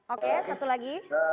oke satu lagi